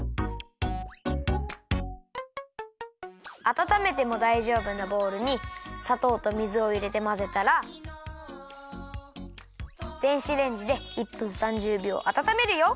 あたためてもだいじょうぶなボウルにさとうと水をいれてまぜたら電子レンジで１分３０びょうあたためるよ。